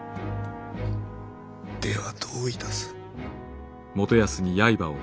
ではどういたす。